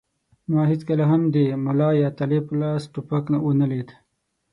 ما هېڅکله هم د ملا یا طالب په لاس ټوپک و نه لید.